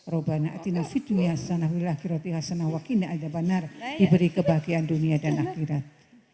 rauhbanak atina fidu ya sallahu alaihi wa sallam wakinya aljabannar diberi kebahagiaan dunia dan akhirat